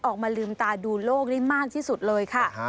ออกมาลืมตาดูโลกได้มากที่สุดเลยค่ะ